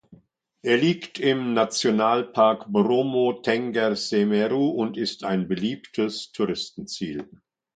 Er liegt im Nationalpark Bromo-Tengger-Semeru und ist ein beliebtes Touristenziel.